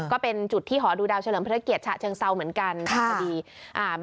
ก็เป็นจุดที่หอดูดาวเฉลิมพระเกียรติฉะเชิงเซาเหมือนกันทางคดีอ่า